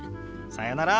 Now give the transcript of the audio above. さよなら！